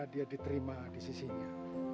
dia diterima di sisinya